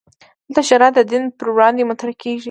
دلته شریعت د دین پر وړاندې مطرح کېږي.